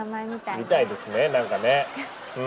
みたいですねなんかね。